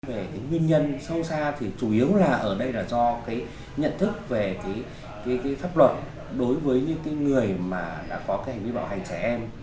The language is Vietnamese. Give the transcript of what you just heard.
về cái nguyên nhân sâu xa thì chủ yếu là ở đây là do cái nhận thức về cái pháp luật đối với những cái người mà đã có cái hành vi bạo hành trẻ em